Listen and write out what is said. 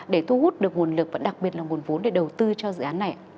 để thu hút được nguồn lực và đặc biệt là nguồn vốn để đầu tư cho dự án này